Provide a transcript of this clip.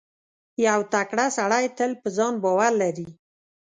• یو تکړه سړی تل پر ځان باور لري.